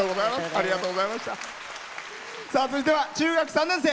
続いては中学３年生。